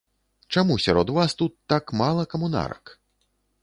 Чаму сярод вас тут так мала камунарак?